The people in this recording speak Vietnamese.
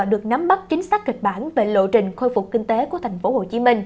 được nắm bắt chính xác kịch bản về lộ trình khôi phục kinh tế của tp hcm